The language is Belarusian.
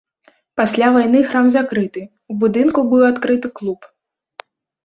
Пасля вайны храм закрыты, у будынку быў адкрыты клуб.